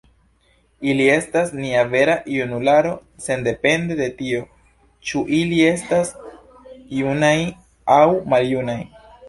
“Ili estas nia vera junularo sendepende de tio, ĉu ili estas junaj aŭ maljunaj.